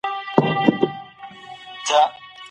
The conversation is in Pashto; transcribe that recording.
تخلیقي ادب د عاطفې او زړه غږ دئ.